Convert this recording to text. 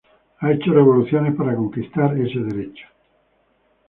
Ha hecho revoluciones para conquistar ese derecho.